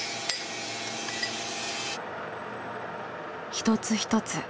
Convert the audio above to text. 一つ一つ